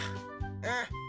うん。